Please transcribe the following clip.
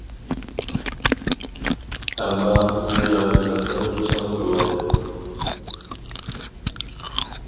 ئەمما ئۇ جاھىللىق قىلىپ چىڭ تۇرۇۋالدى.